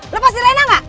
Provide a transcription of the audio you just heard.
lepas si rena gak